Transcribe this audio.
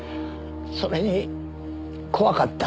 それに怖かった。